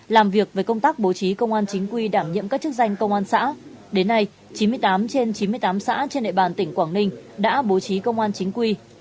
làm việc về công tác bố trí công an chính quy đảm nhiệm các chức danh công an xã đến nay chín mươi tám trên chín mươi tám xã trên địa bàn tỉnh quảng ninh đã bố trí công an chính quy